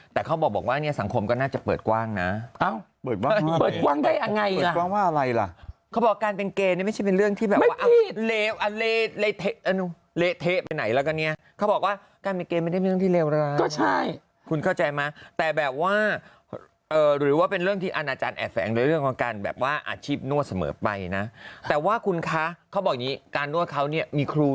แต่เขาบอกว่าเนี้ยสังคมก็น่าจะเปิดกว้างนะเปิดกว้างได้ยังไงล่ะเขาบอกว่าการเป็นเกย์เนี่ยไม่ใช่เป็นเรื่องที่เละเทะไปไหนแล้วกันเนี่ยเขาบอกว่าการเป็นเกย์ไม่ได้เป็นเรื่องที่เลวร้ายก็ใช่คุณเข้าใจไหมแต่แบบว่าหรือว่าเป็นเรื่องที่อาจารย์แอดแฝงเรื่องของการอาชีพนวดเสมอไปนะแต่ว่าคุณคะเขาบอกอย่างนี้การนว